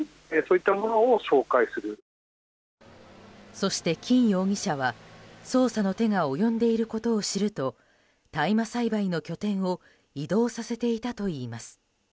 そして金容疑者は、捜査の手が及んでいることを知ると大麻栽培の拠点を移動させていたといいます。